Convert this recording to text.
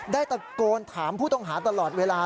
ได้ตะโกนถามผู้ต้องหาตลอดเวลา